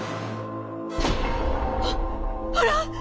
あっあらっ？